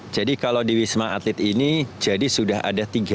jadi kalau di wisma atlet ini jadi sudah ada tiga rintangan